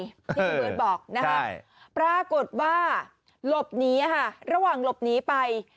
ที่พี่เบิร์ตบอกนะครับปรากฏว่าหลบหนีระหว่างหลบหนีไป